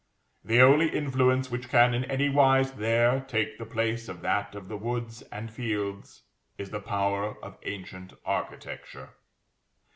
The only influence which can in any wise there take the place of that of the woods and fields, is the power of ancient Architecture.